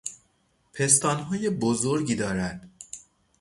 پستانهای بزرگی دارد